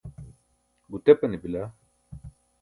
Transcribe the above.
gutepane bila